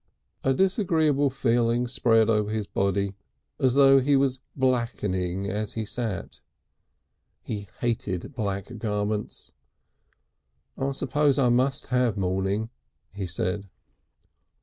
A disagreeable feeling spread over his body as though he was blackening as he sat. He hated black garments. "I suppose I must have mourning," he said.